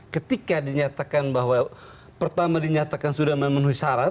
ketika dinyatakan bahwa pertama dinyatakan sudah memenuhi syarat